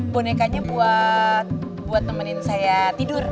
bonekanya buat nemenin saya tidur